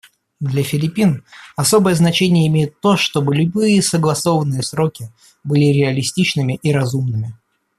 Для Филиппин особое значение имеет то, чтобы любые согласованные сроки были реалистичными и разумными.